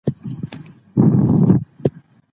ازادي راډیو د سوداګري موضوع تر پوښښ لاندې راوستې.